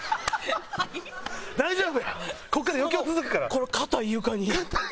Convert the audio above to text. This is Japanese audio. この硬い床に。